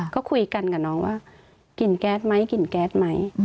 ก็คุยกันกับน้องว่ากลิ่นแก๊สไหมกลิ่นแก๊สไหม